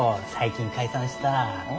最近解散した。